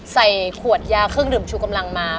ใส่ขวดยาเครื่องดื่มชูกำลังมา